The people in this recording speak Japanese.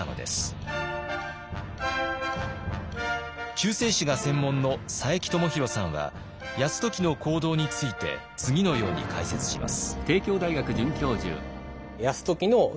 中世史が専門の佐伯智広さんは泰時の行動について次のように解説します。